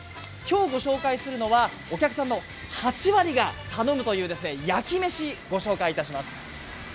今日ご紹介するのはお客さんの８割が頼むという焼き飯ご紹介します。